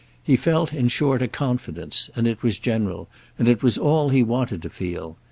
He felt in short a confidence, and it was general, and it was all he wanted to feel.